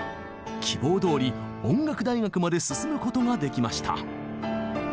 希望どおり音楽大学まで進むことができました。